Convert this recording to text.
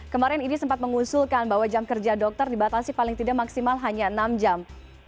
kemarin idi sempat mengusulkan bahwa jam kerja dokter dibatasi paling tidak maksimal hanya enam jam